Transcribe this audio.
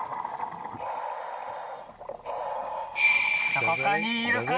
どこかにいるカニ？